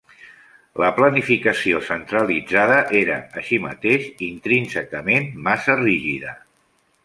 La planificació centralitzada era, així mateix, intrínsecament massa rígida.